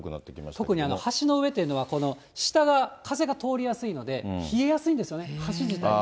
特に橋の上というのは、下が風が通りやすいので、冷えやすいんですよね、橋自体が。